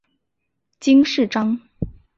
金饰章。